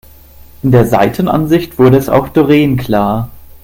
In der Seitenansicht wurde es auch Doreen klar.